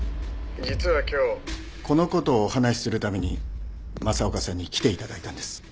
実は今日このことをお話しするために政岡さんに来ていただいたんです。